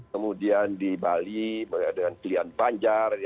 kemudian di bali dengan pilihan banjar